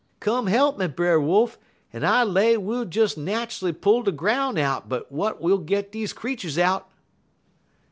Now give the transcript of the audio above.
Come he'p me, Brer Wolf, en I lay we'll des nat'ally pull de groun' out but w'at we'll git deze creeturs out.'